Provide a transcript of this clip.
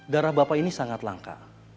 darah bapak ini sangat langka